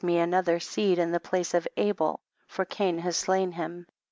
me another seed in the place of Abel, for Cain has slain him.